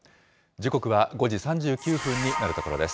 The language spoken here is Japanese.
時刻は５時３９分になるところです。